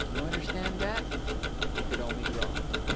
You understand that?" He could only groan.